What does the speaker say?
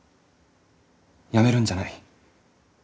やめるんじゃない。